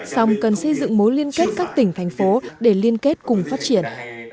song cần xây dựng mối liên kết các tỉnh thành phố để liên kết cùng phát triển